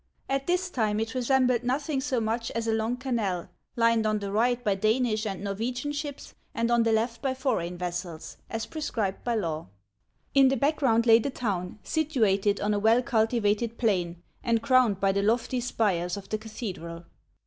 At this time it resembled nothing so much as a long canal, lined on the right bv Danish and Norwegian 36 HANS OF ICELAND. ships, and on the left by foreign vessels, as prescribed by law. lu the background lay the town, situated on a well cultivated plain, and crowned by the lofty spires of the cathedral.